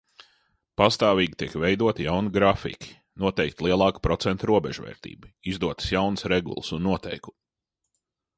Pastāvīgi tiek veidoti jauni grafiki, noteikta lielāka procentu robežvērtība, izdotas jaunas regulas un noteikumi.